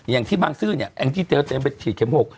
อย่างที่บางสื่อเนี่ยที่ทีเจอเป็นฉีดแข็มหก